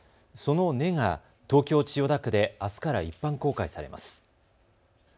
その根が東京千代田区であすから一般公開されます。